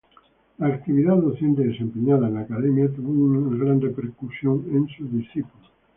La actividad docente desempeñada en la Academia tuvo una gran repercusión en sus discípulos.